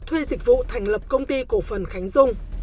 thuê dịch vụ thành lập công ty cổ phần khánh dung